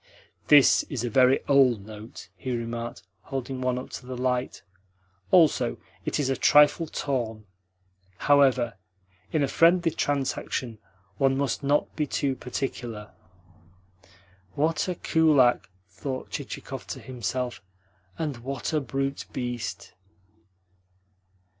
"This is a very OLD note," he remarked, holding one up to the light. "Also, it is a trifle torn. However, in a friendly transaction one must not be too particular." "What a kulak!" thought Chichikov to himself. "And what a brute beast!"